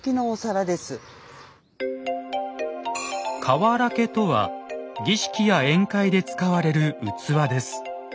「かわらけ」とは儀式や宴会で使われる器です。